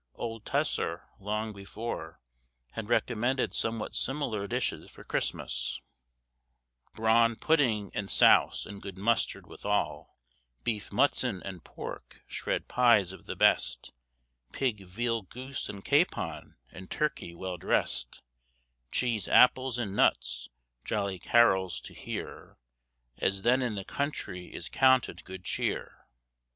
Old Tusser, long before, had recommended somewhat similar dishes for Christmas,— "Brawn, pudding, and souse, and good mustard withal, Beef, mutton, and pork, shred pies of the best, Pig, veal, goose, and capon, and turkey well dressed; Cheese, apples, and nuts, jolly carols to hear As then in the country is counted good cheer."